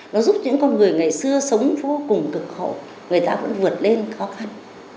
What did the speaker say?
nó giúp những con người ngày xưa sống vô cùng cực khổ người ta vẫn vượt lên khó khăn